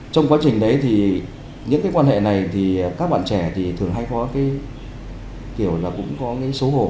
trong quá trình đấy thì những cái quan hệ này thì các bạn trẻ thì thường hay có cái kiểu là cũng có cái xấu hổ